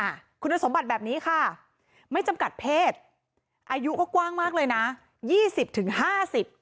อ่ะคุณสมบัติแบบนี้ค่ะไม่จำกัดเพศอายุก็กว้างมากเลยนะยี่สิบถึงห้าสิบ